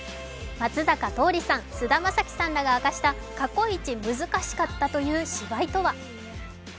松坂桃李さん、菅田将暉さんらが明かした過去イチ難しかったという芝居とは。